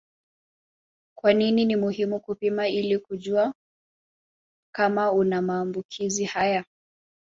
Kwa nini ni muhimu kupima ili kujua kama una maambukizi haya